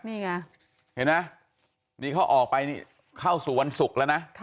นี่ไงเห็นไหมนี่เขาออกไปนี่เข้าสู่วันศุกร์แล้วนะ